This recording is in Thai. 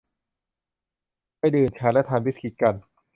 ไปดื่มชาและทานบิสกิตกัน